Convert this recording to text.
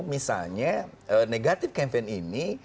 misalnya negatif campaign ini